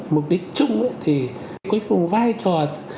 mục đích chung thì cuối cùng vai trò